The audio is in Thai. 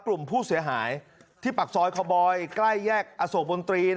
กลุ่มผู้เสียหายที่ปากซอยคอบอยใกล้แยกอโศกมนตรี